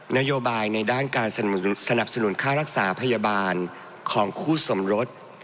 นโยบายในด้านการสนับสนุนค่ารักษาพยาบาลของคู่สมรส